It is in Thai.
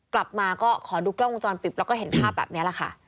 กลับมาก็ขอดูกล้องวงจรปิดแล้วก็เห็นภาพแบบนี้แหละค่ะ